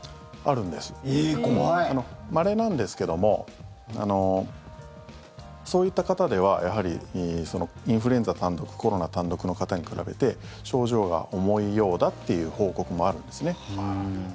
まれなんですけどもそういった方ではインフルエンザ単独コロナ単独の方に比べて症状が重いようだっていう報告もあるんですね。